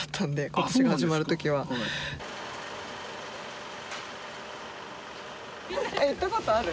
今年が始まる時はえっ行ったことある？